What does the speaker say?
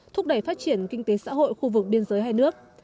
thúc đẩy phát triển kinh tế xã hội khu vực biên giới hai nước